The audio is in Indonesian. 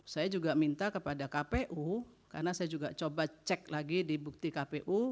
saya juga minta kepada kpu karena saya juga coba cek lagi di bukti kpu